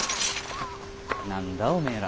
何だおめえら。